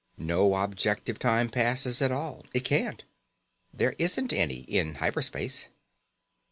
No objective time passes at all. It can't. There isn't any in hyper space."